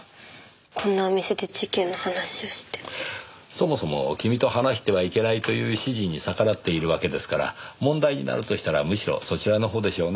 そもそも君と話してはいけないという指示に逆らっているわけですから問題になるとしたらむしろそちらのほうでしょうね。